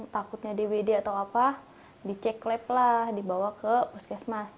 takutnya dvd atau apa dicek lab lah dibawa ke puskesmas